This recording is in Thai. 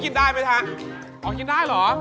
กินได้เลยเนอะ